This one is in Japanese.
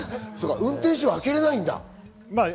運転士は開けられないんだ。